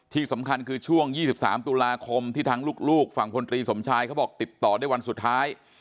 ที่สำคัญคือช่วง๒๓ตุลาคมที่ทั้งลูกฝั่งพลตรีสมชายเขาบอกติดต่อได้วันสุดท้าย